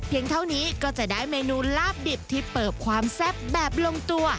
เท่านี้ก็จะได้เมนูลาบดิบที่เปิบความแซ่บแบบลงตัว